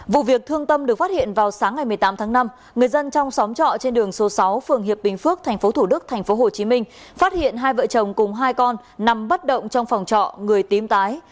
vụ việc thương tâm được phát hiện vào sáng ngày một mươi tám tháng năm người dân trong xóm trọ trên đường số sáu phường hiệp bình phước tp thủ đức tp hcm phát hiện hai vợ chồng cùng hai con nằm bất động trong phòng trọ người tím tái